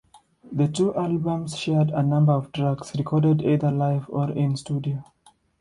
The two albums shared a number of tracks, recorded either live or in-studio.